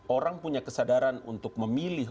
orang punya kesadaran untuk memilih